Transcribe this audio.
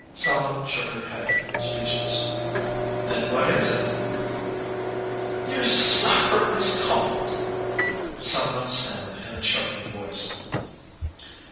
Selma shook her head, speechless. "Then what is it?" "Your supper is cold," Selma stammered in a choking voice.